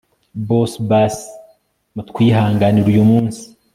boss basi mutwihanganire uyu munsi